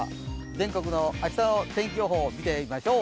全国の明日の天気予報を見てみましょう。